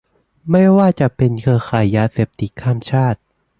ไม่ว่าจะเป็นเครือข่ายยาเสพติดข้ามชาติ